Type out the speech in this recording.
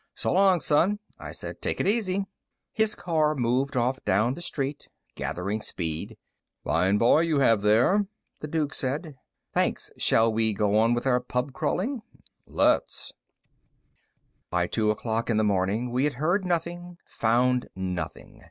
"So long, son," I said. "Take it easy." His car moved off down the street, gathering speed. "Fine boy you have there," the Duke said. "Thanks. Shall we go on with our pub crawling?" "Let's." By two o'clock in the morning, we had heard nothing, found nothing.